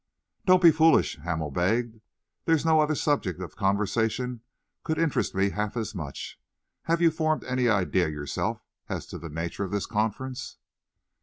"Don't be foolish," Hamel begged. "There's no other subject of conversation could interest me half as much. Have you formed any idea yourself as to the nature of this conference?"